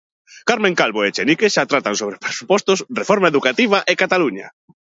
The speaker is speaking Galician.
Carmen Calvo e Echenique xa tratan sobre presupostos, reforma educativa e Cataluña.